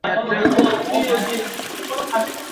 এটা ছিল মূলত বিরাট একটি পাথর।